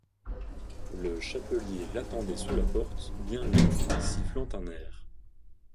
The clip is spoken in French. Le chapelier l'attendait sous la porte, bien mis, sifflant un air.